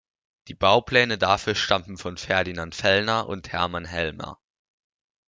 Die Baupläne dafür stammten von Ferdinand Fellner und Hermann Helmer.